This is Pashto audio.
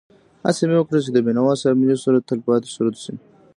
هڅه مې وکړه چې د بېنوا صاحب ملي سرود تل پاتې سرود شي.